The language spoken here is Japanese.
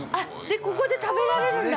◆ここで食べられるんだ。